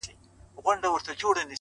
o شپه چي تياره سي ،رڼا خوره سي،